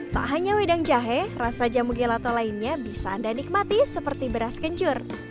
tak hanya wedang jahe rasa jamu gelato lainnya bisa anda nikmati seperti beras kencur